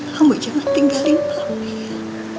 kamu jangan tinggalin pahmi ya